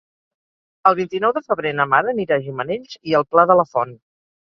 El vint-i-nou de febrer na Mar anirà a Gimenells i el Pla de la Font.